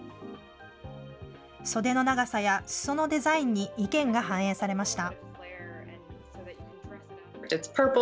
袖の長さや裾のデザインに意見が反映されました。